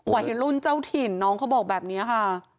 วัยรุ่นเจ้าถิ่นน้องเขาบอกแบบนี้ค่ะ